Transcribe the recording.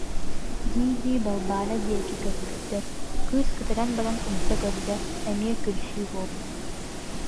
дии-дии Балбаара диэки көрбүтүгэр, кыыс кытаран баран умса көрдө, эмиэ күлсүү буолла